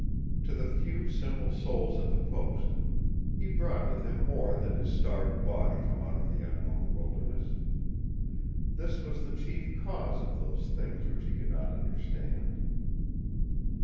To the few simple souls at the post, he brought with him more than his starved body from out of the unknown wilderness. This was the chief cause of those things which he could not understand.